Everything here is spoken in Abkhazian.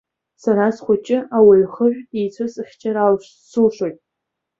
Сара схәыҷы ауаҩ хжәа дицәысыхьчар сылшоит.